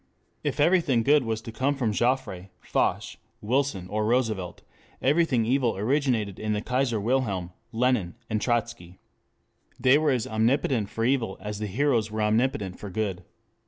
If everything good was to come from Joffre, Foch, Wilson, or Roosevelt, everything evil originated in the Kaiser Wilhelm, Lenin and Trotsky. They were as omnipotent for evil as the heroes were omnipotent for good.